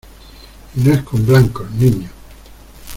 ¡ y no es con blancos, niño!